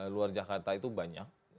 luar jakarta itu banyak